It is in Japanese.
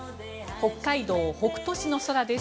北海道北斗市の空です。